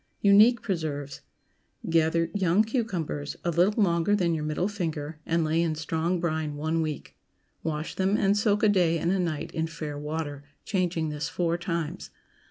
UNIQUE PRESERVES. ✠ Gather young cucumbers, a little longer than your middle finger, and lay in strong brine one week. Wash them and soak a day and a night in fair water, changing this four times.